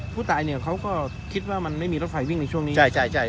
ผู้ตายก็คิดว่ามันไม่มีรถไฟวิ่งในช่วงนี้